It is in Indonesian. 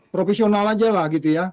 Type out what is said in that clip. profesional aja lah gitu ya